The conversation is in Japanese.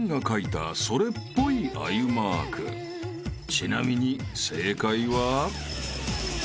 ［ちなみに正解は］